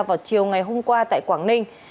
vào chiều ngày hôm qua tại quảng ninh